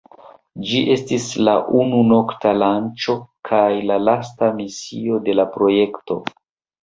Ĝi estis la unu nokta lanĉo kaj la lasta misio de la projekto.